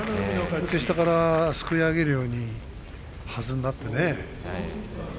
下からすくい上げるようにはずになってね。